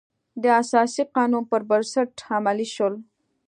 د اساسي قانون پر بنسټ عملي شول.